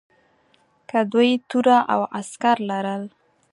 که دوی توره او عسکر لرل.